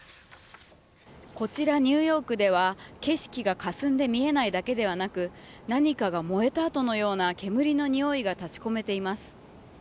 こちら、ニューヨークでは景色がかすんで見えないだけではなく何かが燃えた後のような煙のにおいが立ち込めています。